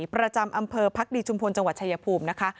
ประจำอำเภอพักดีชุมพลจังหวัดชายภูมินะคะ